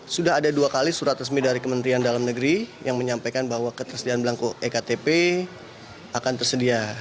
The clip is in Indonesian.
sudah ada dua kali surat resmi dari kementerian dalam negeri yang menyampaikan bahwa ketersediaan belangko ektp akan tersedia